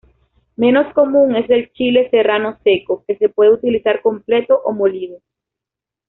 Menos común es el chile serrano seco, que se puede utilizar completo o molido.